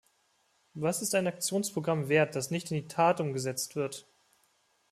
Was ist ein Aktionsprogramm wert, das nicht in die Tat umgesetzt wird?